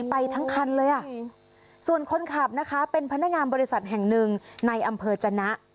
ไปทั้งคันเลยอ่ะส่วนคนขับนะคะเป็นพนักงานบริษัทแห่งหนึ่งในอำเภอจนะ